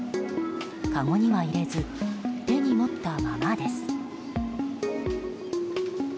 かごには入れず手に持ったままです。